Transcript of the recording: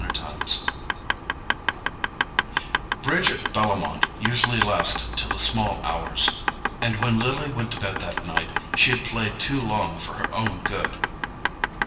Chapter 3 Bridge at Bellomont usually lasted till the small hours; and when Lily went to bed that night she had played too long for her own good.